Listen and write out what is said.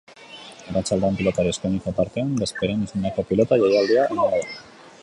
Arratsaldean, pilotari eskainitako tartean, bezperan izandako pilota jaialdia emango da.